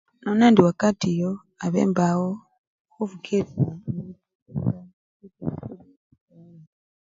Nono ndi wakatii eyo aba mbawo khufukilisyana nende musale wowo ukhubeyele taa.